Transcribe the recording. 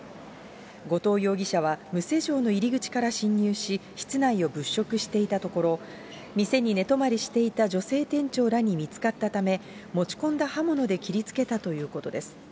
後藤容疑者は無施錠の入り口から侵入し、室内を物色していたところ、店に寝泊まりしていた女性店長らに見つかったため、持ち込んだ刃物で切りつけたということです。